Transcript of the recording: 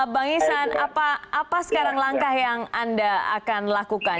bang isan apa sekarang langkah yang anda akan lakukan